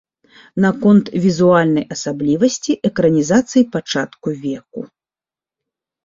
Наконт візуальнай асаблівасці экранізацыі пачатку веку.